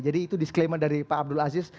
jadi itu disclaimer dari pak abdul aziz